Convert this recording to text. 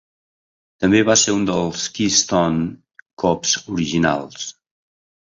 També va ser un dels Keystone Kops originals.